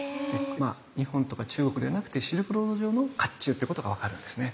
まあ日本とか中国ではなくてシルクロード上の甲冑っていうことが分かるんですね。